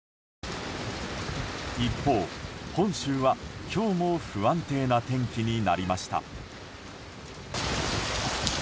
一方、本州は今日も不安定な天気になりました。